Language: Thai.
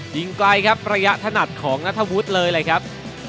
ยิงไกลครับระยะถนัดของนัทวุฒิเลยเลยครับ